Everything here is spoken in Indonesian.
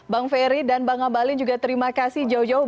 bang ferry dan bang ngabalin juga terima kasih jauh jauh